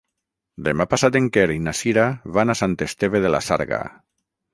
Demà passat en Quer i na Sira van a Sant Esteve de la Sarga.